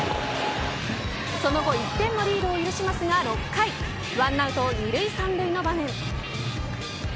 その後１点のリードを許しますが６回１アウト２塁３塁の場面。